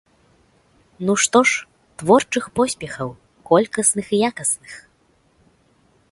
Ну што ж, творчых поспехаў, колькасных і якасных!